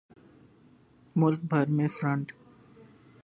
ملک بھر میں فرنٹ